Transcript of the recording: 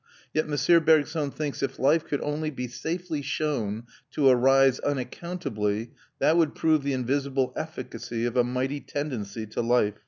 Yet M. Bergson thinks if life could only be safely shown to arise unaccountably, that would prove the invisible efficacy of a mighty tendency to life.